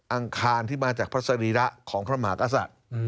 อังคารที่มาจากพระสรีระของพระหมาติอาสัตว์